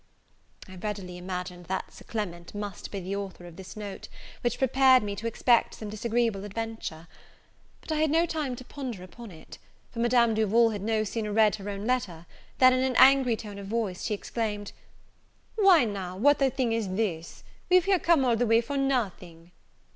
I readily imagined that Sir Clement must be the author of this note, which prepared me to expect some disagreeable adventure: but I had no time to ponder upon it; for Madame Duval had no sooner read her own letter, than, in an angry tone of voice, she exclaimed, "Why, now, what a thing is this! here we're come all this way for nothing!"